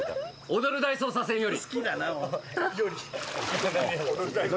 『踊る大捜査線』より。